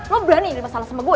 lo berani ini masalah sama gue